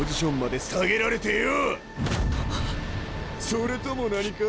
それとも何か？